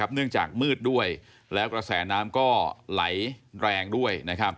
เนื่องจากมืดด้วยแล้วกระแสน้ำก็ไหลแรงด้วย